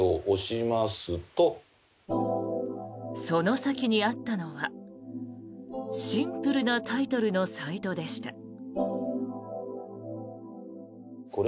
その先にあったのはシンプルなタイトルのサイトでした。